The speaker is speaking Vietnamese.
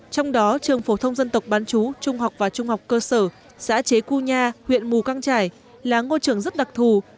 trong đó trường phổ thông dân tộc bán chú trung học và trung học cơ sở xã chế cua nha huyện mù căng trải là ngôi trường rất đặc thù